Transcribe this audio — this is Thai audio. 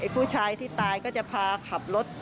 ผู้ชายที่ตายก็จะพาขับรถ